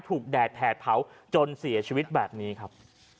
แดดแผดเผาจนเสียชีวิตแบบนี้ครับ